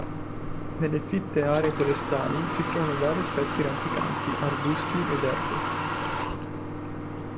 Nelle fitte aree forestali si trovano varie specie di rampicanti, arbusti ed erbe.